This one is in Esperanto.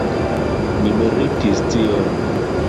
Mi meritis tion!